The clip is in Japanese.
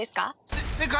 せ正解！